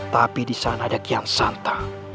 tapi di sana ada kian santa